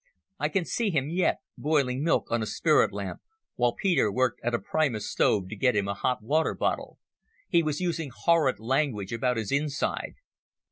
I can see him yet, boiling milk on a spirit lamp, while Peter worked at a Primus stove to get him a hot water bottle. He was using horrid language about his inside.